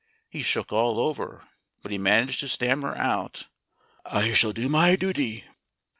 He shook all over, but he managed to stammer out, "I shall do my duty."